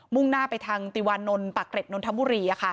่งหน้าไปทางติวานนท์ปากเกร็ดนนทบุรี